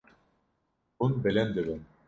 Hûn bilind dibin.